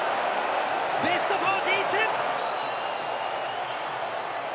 ベスト４進出！